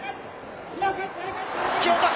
突き落とし。